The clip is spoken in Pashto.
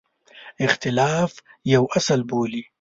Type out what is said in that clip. اختلاف یو اصل بولي.